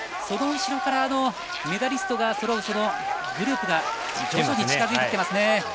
その後ろからメダリストがそろうグループが徐々に近づいてきます。